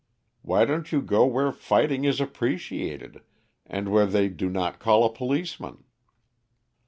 Why don't you go where fighting is appreciated, and where they do not call a policeman?"